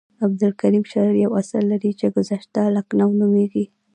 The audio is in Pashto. عبدالکریم شرر یو اثر لري چې ګذشته لکنهو نومیږي.